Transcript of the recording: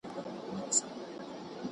شاید الله خپل بنده ګان وبخښي.